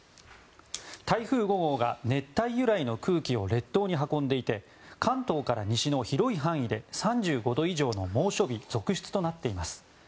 台風５号が熱帯由来の空気を列島に運んでいて関東から西の広い範囲で３５度以上の猛暑日続出となっています。